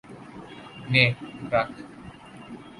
নে, রাখ।